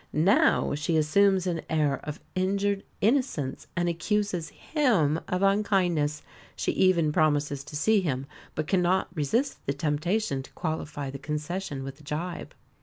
Now she assumes an air of injured innocence, and accuses him of unkindness! She even promises to see him, but cannot resist the temptation to qualify the concession with a gibe.